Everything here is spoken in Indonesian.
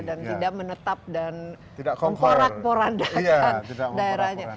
dan tidak menetap dan memporat porandakan daerahnya